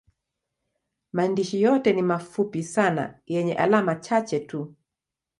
Maandishi yote ni mafupi sana yenye alama chache tu.